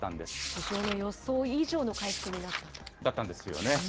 市場の予想以上の回復になったと。だったんですよね。